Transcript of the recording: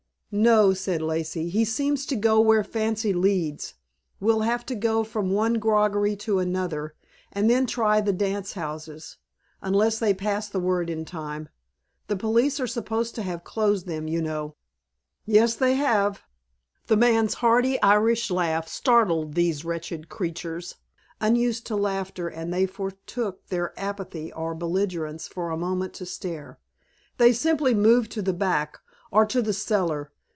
"No," said Lacey. "He seems to go where fancy leads. We'll have to go from one groggery to another, and then try the dance houses, unless they pass the word in time. The police are supposed to have closed them, you know." "Yes, they have!" The man's hearty Irish laugh startled these wretched creatures, unused to laughter, and they forsook their apathy or belligerence for a moment to stare. "They simply moved to the back, or to the cellar.